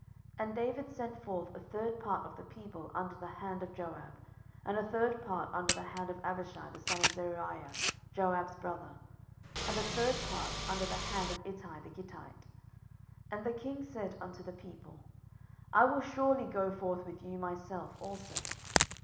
10:018:002 And David sent forth a third part of the people under the hand of Joab, and a third part under the hand of Abishai the son of Zeruiah, Joab's brother, and a third part under the hand of Ittai the Gittite. And the king said unto the people, I will surely go forth with you myself also.